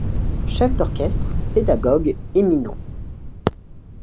Chef d’orchestre, pédagogue éminent….